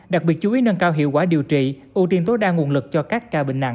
đặc biệt chú ý nâng cao hiệu quả điều trị ưu tiên tối đa nguồn lực cho các ca bệnh nặng